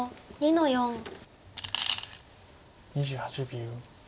２８秒。